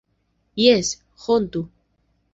Jes, hontu!